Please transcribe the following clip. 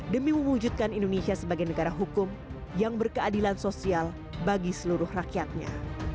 demi mewujudkan indonesia sebagai negara hukum yang berkeadilan sosial bagi seluruh rakyatnya